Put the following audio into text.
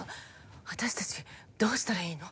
私たちどうしたらいいの？